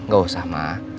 gak usah ma